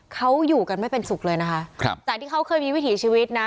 เขาอยู่กันไม่เป็นสุขเลยนะคะครับจากที่เขาเคยมีวิถีชีวิตนะ